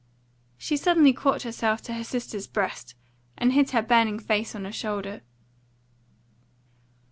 She suddenly caught herself to her sister's breast, and hid her burning face on her shoulder.